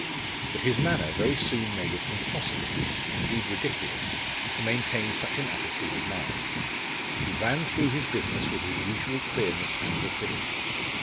But his manner very soon made it impossible, indeed ridiculous, to maintain such an attitude of mind. He ran through his business with his usual clearness and rapidity.